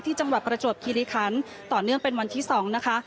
จังหวัดประจวบคิริคันต่อเนื่องเป็นวันที่๒นะคะ